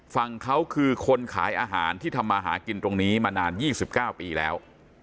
ฝั่งเขาคือคนขายอาหารที่ทำมาหากินตรงนี้มานาน๒๙ปีแล้ว